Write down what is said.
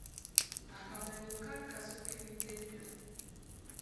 Akamanyiiro kaali kasukkiridde nnyo.